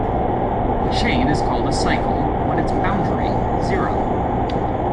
A chain is called a cycle when its boundary is zero.